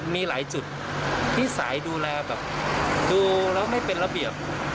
มีหลายจุดที่สายดูแลแบบดูแล้วไม่เป็นระเบียบ